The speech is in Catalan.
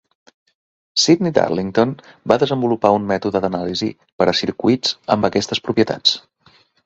Sidney Darlington va desenvolupar un mètode d'anàlisi per a circuits amb aquestes propietats.